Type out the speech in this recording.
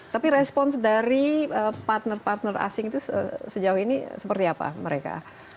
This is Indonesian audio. tapi respons dari partner partner asing itu sejauh ini seperti apa mereka